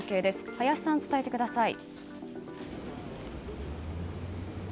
林さん、伝えてください。